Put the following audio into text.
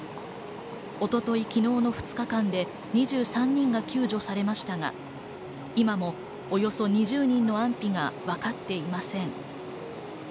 一昨日、昨日の２日間で２３人が救助されましたが、今もおよそ２０人の安否が分かっていません。